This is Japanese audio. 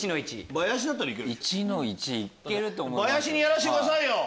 バヤシにやらしてくださいよ！